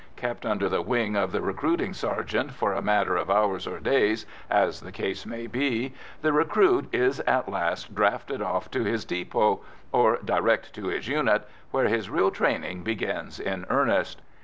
Kept under the wing of the recruiting sergeant for a matter of hours or days, as the case may be, the recruit is at last drafted off to his depot, or direct to his unit, where his real training begins in earnest.